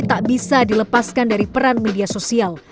tak bisa dilepaskan dari peran media sosial